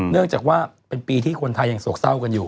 เนื่องจากว่าเป็นปีที่คนไทยยังโศกเศร้ากันอยู่